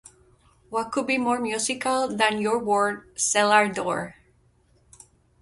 What could be more musical than your word "cellar-door"?